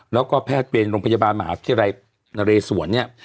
แล้วก็แพทย์เวรโรงพยาบาลมหาวิทยาลัยนเรศวรเนี่ย